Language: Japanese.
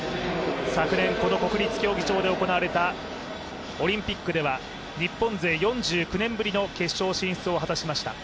昨年、この国立競技場で行われたオリンピックでは日本勢４９年ぶりの決勝進出を果たしました。